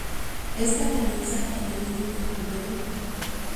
Esta comienza en el límite con Perú.